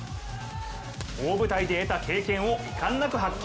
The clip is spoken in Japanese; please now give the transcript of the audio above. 大舞台で得た経験を遺憾なく発揮。